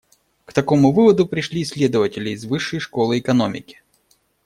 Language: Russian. К такому выводу пришли исследователи из Высшей школы экономики.